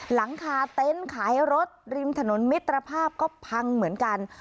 หลังคาเต็นต์ขายรถริมถนนมิตรภาพก็พังเหมือนกัน